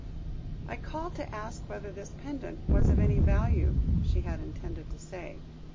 "I called to ask whether this pendant was of any value," she had intended to say.